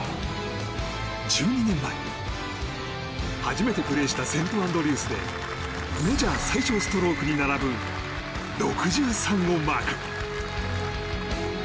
１２年前、初めてプレーしたセントアンドリュースでメジャー最少ストロークに並ぶ６３をマーク。